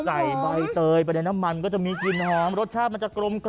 ใบเตยไปในน้ำมันก็จะมีกลิ่นหอมรสชาติมันจะกลม